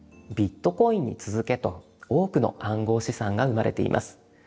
ビットコインに続けと多くの暗号資産が生まれています。